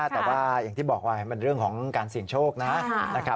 แต่ว่าอย่างที่บอกว่ามันเรื่องของการเสี่ยงโชคนะ